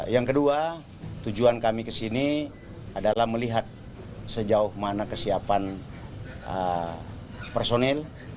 yang kedua tujuan kami kesini adalah melihat sejauh mana kesiapan personil